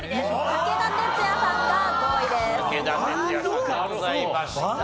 武田鉄矢さんでございました。